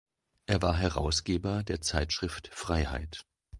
Er war Herausgeber der Zeitschrift Freiheit.